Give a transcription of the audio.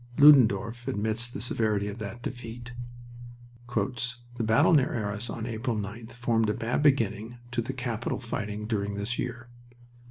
Ludendorff admits the severity of that defeat. "The battle near Arras on April 9th formed a bad beginning to the capital fighting during this year.